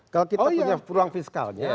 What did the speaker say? kalau kita punya peluang fiskalnya